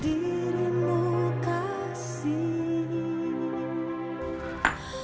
diri muka sini